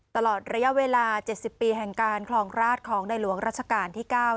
ตลอดระยะเวลา๗๐ปีแห่งการคลองราชของในหลวงรัชกาลที่๙